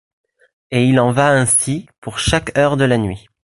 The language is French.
Et il en va ainsi pour chaque heure de la nuit.